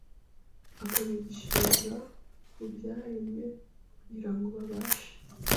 akabigishiriza mu byaremwe kugira ngo babashe